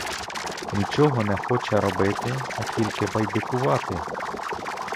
Нічого не хоче робити, а тільки байдикувати.